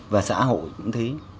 và xã hội cũng thế